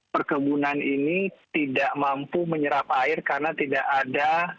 perkebunan ini tidak mampu menyerap air karena tidak ada